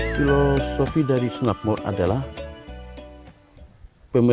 filosofi dari snapmort adalah pemerataan dan kegiatan